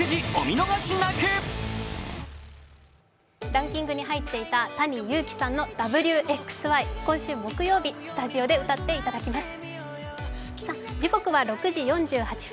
ランキングに入っていたＴａｎｉＹｕｕｋｉさんの「Ｗ／Ｘ／Ｙ」、今週木曜日、スタジオで歌っていただきます。